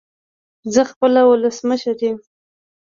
زه خپله ولسمشر يم